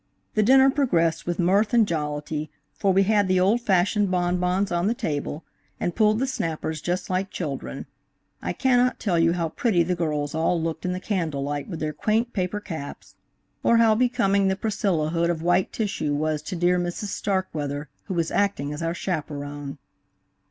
The dinner progressed with mirth and jollity, for we had the old fashioned bonbons on the table, and pulled the snappers just like children. I cannot tell you how pretty the girls all looked in the candle light with their quaint paper caps, or how becoming the Priscilla hood of white tissue was to dear Mrs. Starkweather, who was acting as our chaperone.